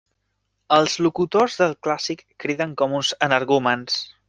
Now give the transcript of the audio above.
Els locutors del clàssic criden com uns energúmens.